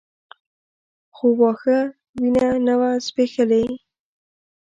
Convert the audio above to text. خو واښه وينه نه وه ځبېښلې.